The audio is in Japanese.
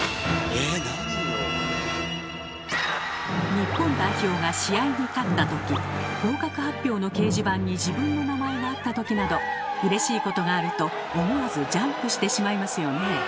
日本代表が試合に勝った時合格発表の掲示板に自分の名前があった時などうれしいことがあると思わずジャンプしてしまいますよね？